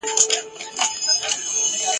هېری څرنگه د مینی ورځی شپې سي !.